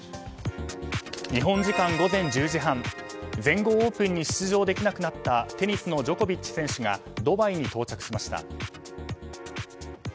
日本時間午前１０時半全豪オープンに出場できなくなったテニスのジョコビッチ選手がドバイに到着しました。